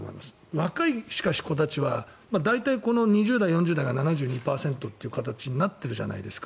若い子たちは大体２０代４０代が７２％という形になっているじゃないですか。